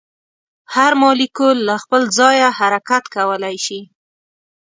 هر مالیکول له خپل ځایه حرکت کولی شي.